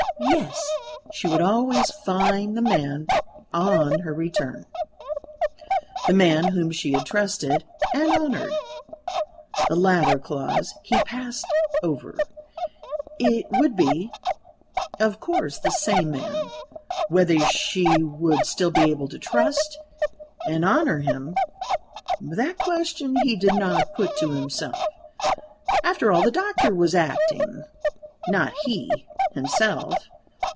Yes: she would always find the man, on her return the man whom she had trusted and honoured the latter clause he passed over it would be, of course the same man: whether she would still be able to trust and honour him that question he did not put to himself. After all, the doctor was acting not he, himself.